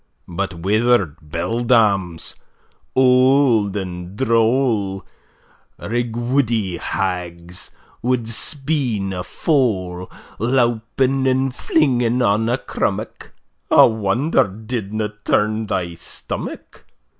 But wither'd beldams, auld and droll, Rigwoodie hags wad spean a foal, Lowping an' flinging on a crummock, I wonder didna turn thy stomach.